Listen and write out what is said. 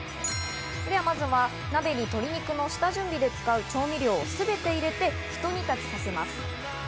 ではまずは鍋に鶏肉の下準備で使う調味料を全て入れて、ひと煮立ちさせます。